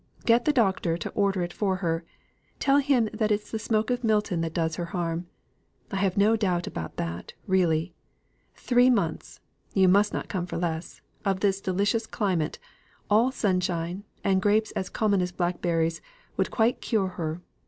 Get the doctor to order it for her. Tell him that it's the smoke of Milton that does her harm. I have no doubt it is that, really. Three months (you must not come for less) of this delicious climate all sunshine, and grapes as common as blackberries, would quite cure her.